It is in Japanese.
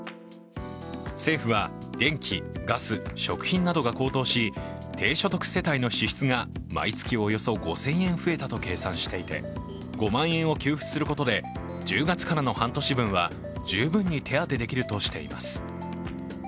政府は電気・ガス・食品などが高騰し、低所得世帯の支出が毎月およそ５０００円増えたと計算していて５万円を給付することで、１０月からの半年分は十分に手当できるとしています。